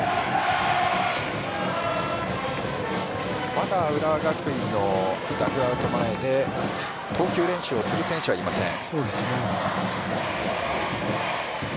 まだ浦和学院のダグアウト前で投球練習をする選手はいません。